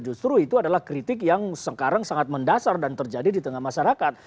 justru itu adalah kritik yang sekarang sangat mendasar dan terjadi di tengah masyarakat